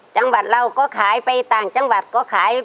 จังหวัดเราก็ขายไปต่างจังหวัดก็ขาย